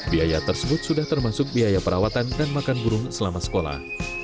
biaya tersebut sudah termasuk biaya perawatan dan makan burung selama sekolah